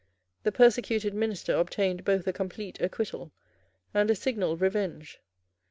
The persecuted minister obtained both a complete acquittal, and a signal revenge.